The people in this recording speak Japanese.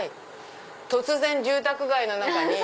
突然住宅街の中に。